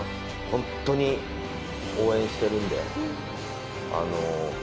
ホントに応援してるんで。